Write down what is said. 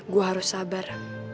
gue harus sabar